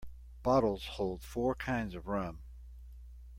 Bottles hold four kinds of rum.